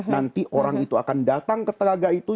nanti orang itu akan datang ke telaga itu